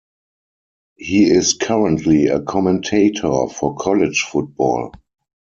He is currently a commentator for college football.